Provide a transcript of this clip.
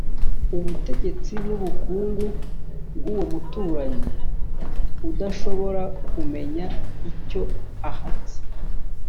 ubutegetsi n'ubukungu bw'uwo muturanyi udashobora kumenya icyo ahatse?